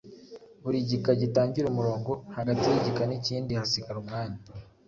Buri gika gitangira umurongo. Hagati y’igika n’ikindi hasigara umwanya